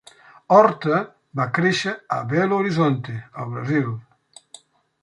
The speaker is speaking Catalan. Horta va créixer a Belo Horizonte, al Brasil.